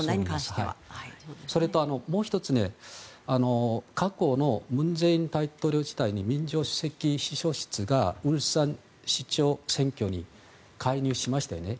それと、もう１つ過去の文在寅大統領時代に民情首席秘書室がウルサン市長選挙に介入しましたよね。